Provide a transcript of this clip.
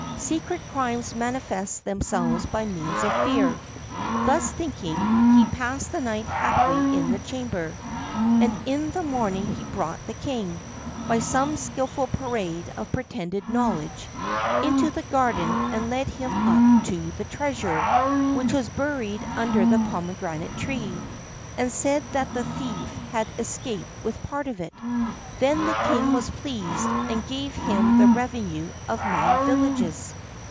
Secret crimes manifest themselves by means of fear." Thus thinking, he passed the night happily in the chamber. And in the morning he brought the king, by some skilful parade of pretended knowledge, into the garden and led him up to the treasure, which was buried under the pomegranate tree, and said that the thief had escaped with a part of it. Then the king was pleased, and gave him the revenue of many villages.